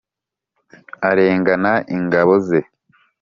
arengana ingabo ze,